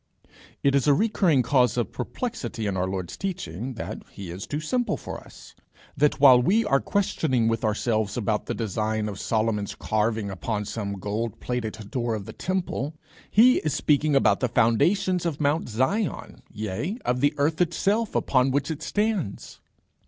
It is a recurring cause of perplexity in our Lord's teaching, that he is too simple for us; that while we are questioning with ourselves about the design of Solomon's earring upon some gold plated door of the temple, he is speaking about the foundations of Mount Zion, yea, of the earth itself, upon which it stands.